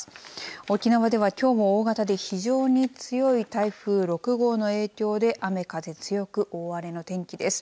沖縄では、きょうも大型で非常に強い台風６号の影響で雨風強く、大荒れの天気です。